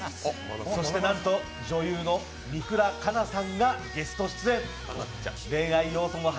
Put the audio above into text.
そして、なんと女優の三倉佳奈さんがゲスト出演。